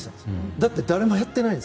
だって誰もやっていない。